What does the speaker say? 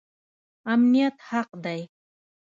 امنیت حق دی